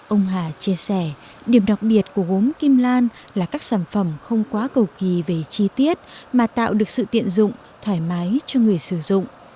ông hà chia sẻ điểm đặc biệt của gốm kim lan là các sản phẩm không quá cầu kỳ về chi tiết mà tạo được sự tiện dụng thoải mái cho người sử dụng